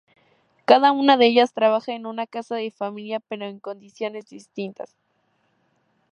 Cada una de ellas trabaja en una casa de familia, pero en condiciones distintas.